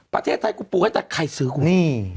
ประเทศไทยกูปลูกให้แต่ใครซื้อกูนี่